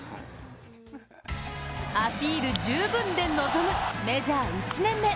アピール十分で臨むメジャー１年目。